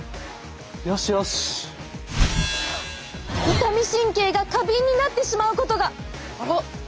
痛み神経が過敏になってしまうことが。